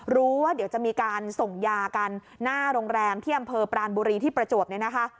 รู้ว่าเดี๋ยวจะมีการส่งยากันหน้าโรงแรมที่อำเภอปรานบุรีที่ประจวบเนี่ยนะคะ